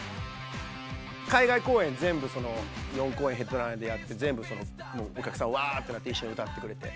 海外公演全部４公演ヘッドライナーやって全部お客さんわーっとなって一緒に歌ってくれて。